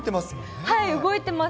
動いてます。